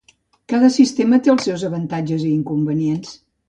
Cada sistema té els seus avantatges i inconvenients.